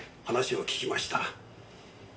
話を聞きました。